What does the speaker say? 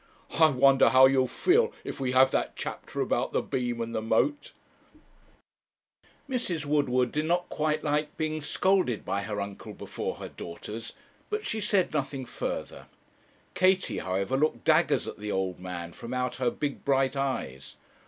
'I wonder how you'll feel if we have that chapter about the beam and the mote.' Mrs. Woodward did not quite like being scolded by her uncle before her daughters, but she said nothing further. Katie, however, looked daggers at the old man from out her big bright eyes.